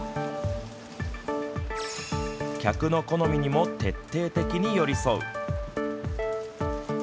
客の好みにも徹底的に寄り添う。